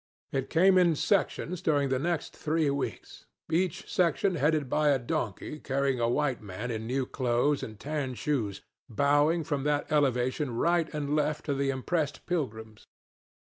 It came in sections during the next three weeks, each section headed by a donkey carrying a white man in new clothes and tan shoes, bowing from that elevation right and left to the impressed pilgrims.